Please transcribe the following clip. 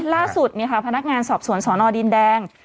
ล่าสุดพนักงานสอบสวนสอนอดินแดง